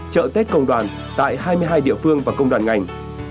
trợ tết công đoàn tại hai mươi hai địa phương và công đoàn ngành